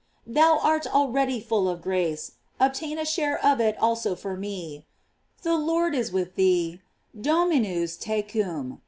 Tbou art already full of grace; obtain a share of it also for me. The Lord is with thee: "Dominus tecum."